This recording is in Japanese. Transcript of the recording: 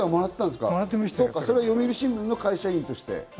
読売新聞の会社員として。